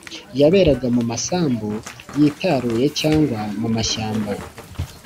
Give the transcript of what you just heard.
yaberaga mu masambu yitaruye cyangwa mu mashyamba